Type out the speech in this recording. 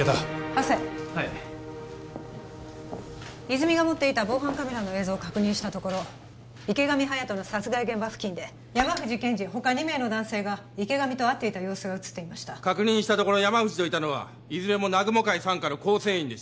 ハセはい泉が持っていた防犯カメラの映像を確認したところ池上隼人の殺害現場付近で山藤憲治他２名の男性が池上と会っていた様子が写っていました確認したところ山藤といたのはいずれも南雲会傘下の構成員でした